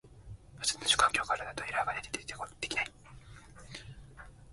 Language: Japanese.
私の環境からだとエラーが出て出来ない